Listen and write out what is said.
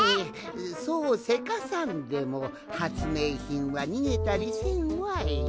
そうせかさんでもはつめいひんはにげたりせんわい。